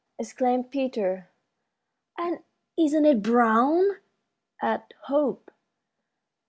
exclaimed Peter. "And isn't it brown!" added Hope.